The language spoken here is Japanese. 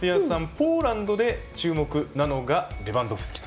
ポーランドで注目なのがレバンドフスキと。